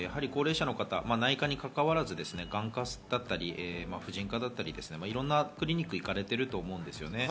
内科にかかわらず眼科だったり婦人科だったりいろんなクリニックに行かれていると思います。